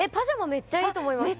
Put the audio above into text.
めっちゃいいと思いました